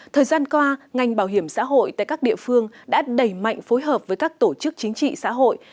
thời gian qua ngành bảo hiểm xã hội tại các địa phương đã đẩy mạnh phối hợp với các tổ chức chính trị xã hội